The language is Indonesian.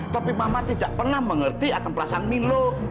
tapi mama tidak pernah mengerti atem perasaan milo